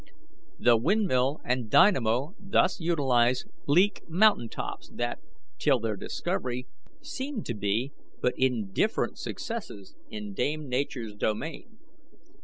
The windmill and dynamo thus utilize bleak mountain tops that, till their discovery, seemed to be but indifferent successes in Dame Nature's domain.